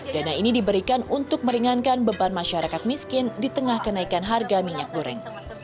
dana ini diberikan untuk meringankan beban masyarakat miskin di tengah kenaikan harga minyak goreng